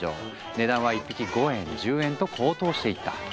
値段は１匹５円１０円と高騰していった。